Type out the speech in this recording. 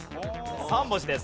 ３文字です